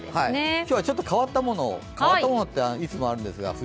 今日はちょっと変わったものを変わったものって冬にはいつもあるんですが。